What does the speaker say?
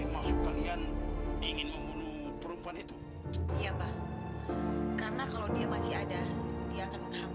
masuk secepat itu sih waduh